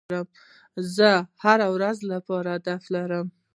زه د هري ورځي لپاره هدف لرم.